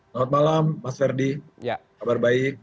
selamat malam mas ferdi kabar baik